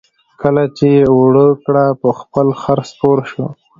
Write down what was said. کله چې یې اوړه کړه په خپل خر سپور شو.